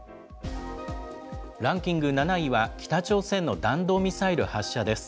ランキング７位は北朝鮮の弾道ミサイル発射です。